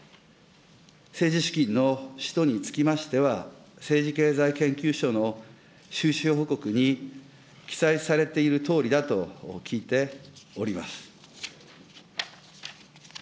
政治資金の使途につきましては、政治経済研究所の収支報告に記載されているとおりだと聞いております。